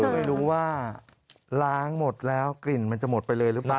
ไม่รู้ว่าล้างหมดแล้วกลิ่นมันจะหมดไปเลยหรือเปล่า